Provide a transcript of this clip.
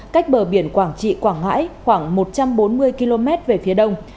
cách bờ biển quảng trị quảng ngãi khoảng một trăm bốn mươi km về phía đông